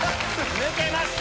抜けました！